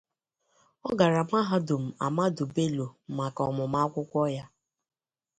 Ọ gara Mahadum Ahmadu Bello maka ọmụmụ akwụkwọ ya.